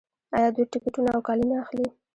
آیا دوی ټکټونه او کالي نه اخلي؟